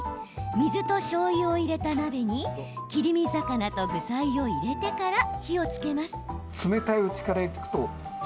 水としょうゆを入れた鍋に切り身魚と具材を入れてから火をつけます。